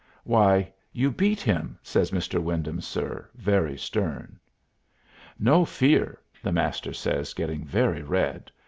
"Why, you beat him!" says "Mr. Wyndham, sir," very stern. "No fear!" the Master says, getting very red.